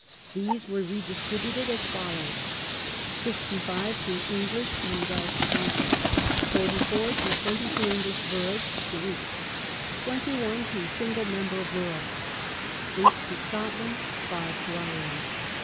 These were redistributed as follows : 65 to English and Welsh counties ; 44 to twenty two English boroughs (two each) ; 21 to single member boroughs ; 8 to Scotland and 5 to Ireland.